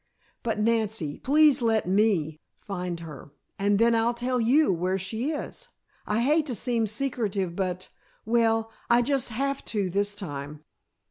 But, Nancy, please let me find her and then I'll tell you where she is. I hate to seem secretive but well, I just have to this time."